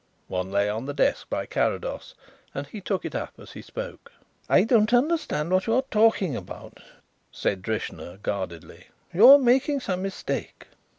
One lay on the desk by Carrados and he took it up as he spoke. "I don't understand what you are talking about," said Drishna guardedly. "You are making some mistake."